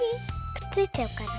くっついちゃうから。